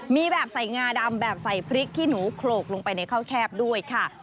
มีแบบใส่งาดำแบบใส่พริกขี้หนูโขลกลงไปในข้าวแคบด้วยค่ะ